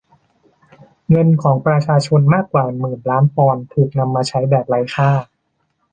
เงินของประชาชนมากกว่าหนื่นล้านปอนด์ถูกนำมาใช้แบบไร้ค่า